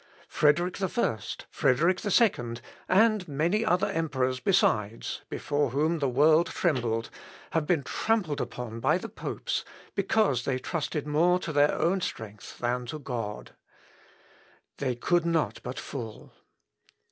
Frederick I, Frederick II, and many other emperors besides, before whom the world trembled, have been trampled upon by the popes, because they trusted more to their own strength than to God. They could not but fall.